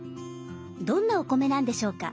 どんなお米なんでしょうか？